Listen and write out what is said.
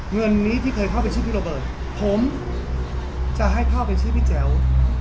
เงินนี้ที่เคยเข้าไปชื่อพี่โรเบิร์ตผมจะให้เข้าไปชื่อพี่แจ๋ว